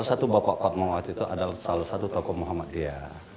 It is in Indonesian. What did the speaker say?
satu bapak panmawati itu adalah salah satu tokoh muhammad dia